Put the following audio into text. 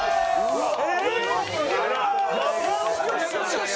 よし！